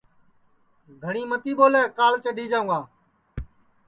گھٹؔی متی ٻولے کاݪ چڈھی جاوں گا